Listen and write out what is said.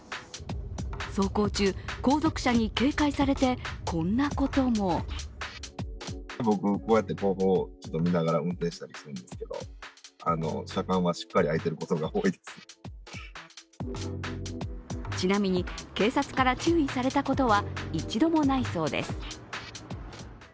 走行中、後続車に警戒されて、こんなこともちなみに、警察から注意されたことは一度もないそうです。